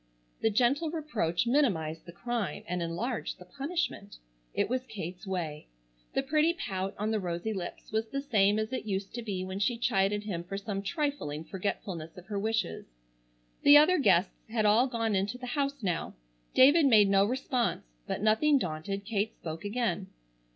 The gentle reproach minimized the crime, and enlarged the punishment. It was Kate's way. The pretty pout on the rosy lips was the same as it used to be when she chided him for some trifling forgetfulness of her wishes. The other guests had all gone into the house now. David made no response, but, nothing daunted, Kate spoke again.